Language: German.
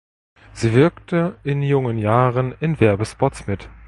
Sie wirkte in jungen Jahren in Werbespots mit.